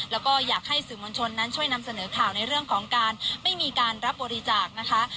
แล้วก็อยากให้สื่อมวลชนนั้นช่วยนำเสนอข่าวในเรื่องของการไม่มีการรับบริจาคนะคะ